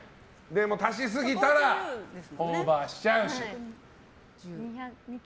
足しすぎたらオーバーしちゃうし。